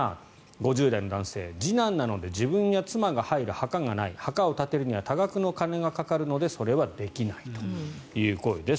５０代の男性、次男なので自分や妻が入る墓がない墓を建てるには多額の金がかかるのでそれはできないという声です。